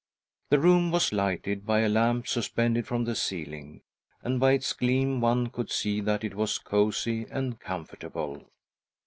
The room was lighted by a lamp suspended from the ceiling, and by its gleam one could see that it was cosy and comfortable.